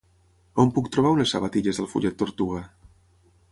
On puc trobar unes sabatilles del Follet Tortuga?